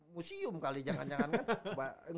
museum kali jangan jangan kan